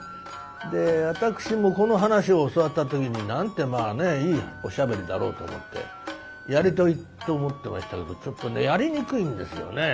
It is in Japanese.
で私もこの噺を教わった時になんてまあねいいおしゃべりだろうと思ってやりたいと思ってましたけどちょっとねやりにくいんですよね。